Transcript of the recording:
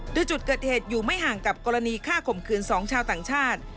โดยจุดเกิดเหตุอยู่ไม่ห่างกับกรณีฆ่าข่มขืน๒ชาวต่างชาติ